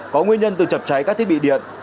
có nguyên nhân từ chập cháy các thiết bị điện